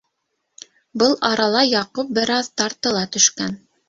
Был арала Яҡуп бер аҙ тартыла төшкән.